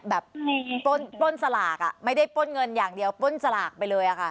ปล้นสลากไม่ได้ปล้นเงินอย่างเดียวปล้นสลากไปเลยค่ะ